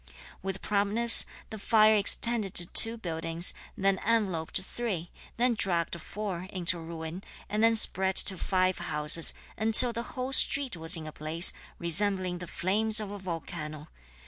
With promptness (the fire) extended to two buildings, then enveloped three, then dragged four (into ruin), and then spread to five houses, until the whole street was in a blaze, resembling the flames of a volcano.